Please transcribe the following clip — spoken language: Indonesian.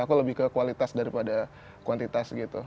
aku lebih ke kualitas daripada kuantitas gitu